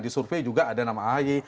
disurvey juga ada nama ahy